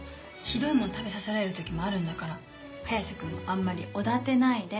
ひどいもん食べさせられる時もあるんだから早瀬君もあんまりおだてないで。